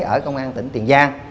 ở công an tỉnh tiền giang